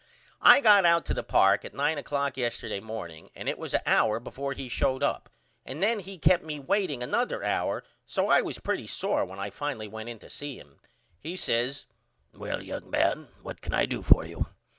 I got out to the park at 9 oclock yesterday morning and it was a hour before he showed up and then he kept me waiting another hour so I was pretty sore when I finally went in to see him. He says Well young man what can I do for you?